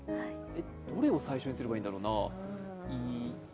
どれを最初にすればいいんだろうな？